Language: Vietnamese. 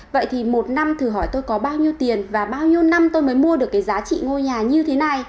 vậy thì một năm thử hỏi tôi có bao nhiêu tiền và bao nhiêu năm tôi mới mua được cái giá trị ngôi nhà như thế này